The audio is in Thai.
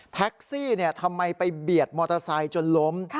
แท็กซี่ทำไมไปเบียดมอเตอร์ไซค์จนล้ม